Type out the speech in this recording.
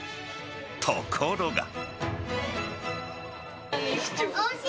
ところが。